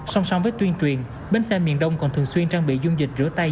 song song với tuyên truyền bến xe miền đông còn thường xuyên trang bị dung dịch rửa tay